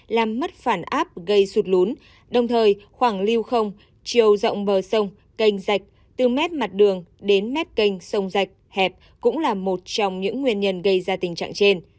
làm mất phản áp gây sụt lún đồng thời khoảng lưu không chiều rộng bờ sông canh dạch từ mét mặt đường đến mét canh sông dạch hẹp cũng là một trong những nguyên nhân gây ra tình trạng trên